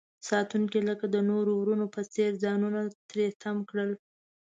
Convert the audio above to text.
ساتونکي لکه د نورو ورونو په څیر ځانونه تری تم کړل.